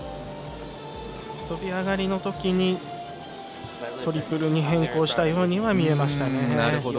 跳び上がりのときにトリプルに変更したようには見えました。